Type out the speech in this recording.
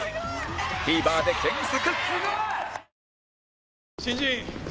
ＴＶｅｒ で検索！